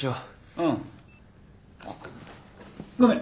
うん。あっごめん。